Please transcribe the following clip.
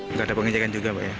untuk ada pengecekan juga pak ya